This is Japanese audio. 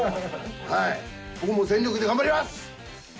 僕も全力で頑張ります！